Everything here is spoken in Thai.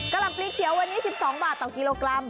หล่ำปลีเขียววันนี้๑๒บาทต่อกิโลกรัม